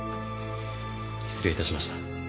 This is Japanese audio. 失礼いたしました。